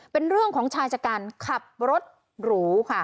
เป็นเรื่องของชายจากการขับรถหรูค่ะ